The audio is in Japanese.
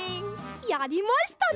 やりましたね！